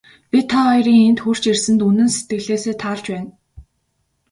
Би та хоёрын энд хүрч ирсэнд үнэн сэтгэлээсээ таалж байна.